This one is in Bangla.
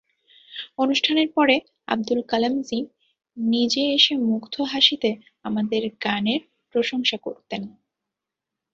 অনুষ্ঠানের পরে আবদুল কালামজি নিজে এসে মুগ্ধ হাসিতে আমাদের গানের প্রশংসা করতেন।